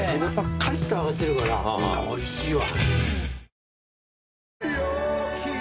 カリッと揚がってるからおいしいわ。